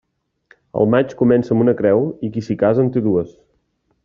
El maig comença amb una creu, i qui s'hi casa en té dues.